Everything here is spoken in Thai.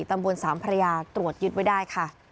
ตำบลสามพระยาตรวจยึดไว้ได้ค่ะ